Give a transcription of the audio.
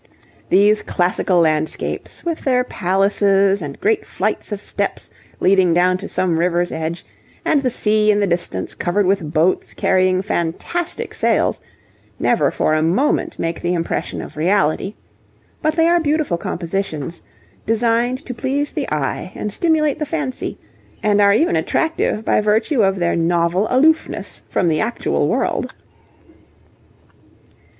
These classical landscapes, with their palaces and great flights of steps leading down to some river's edge, and the sea in the distance covered with boats carrying fantastic sails, never for a moment make the impression of reality. But they are beautiful compositions, designed to please the eye and stimulate the fancy, and are even attractive by virtue of their novel aloofness from the actual world.